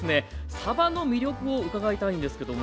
さばの魅力を伺いたいんですけども。